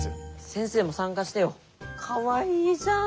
先生も参加してよ。かわいいじゃん！